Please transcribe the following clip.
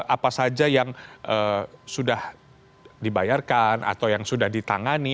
apa saja yang sudah dibayarkan atau yang sudah ditangani